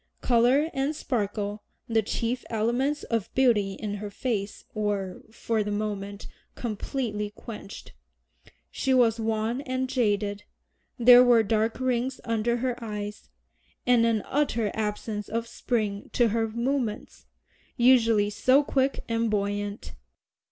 Color and sparkle, the chief elements of beauty in her face, were, for the moment, completely quenched. She was wan and jaded, there were dark rings under her eyes, and an utter absence of spring to her movements, usually so quick and buoyant.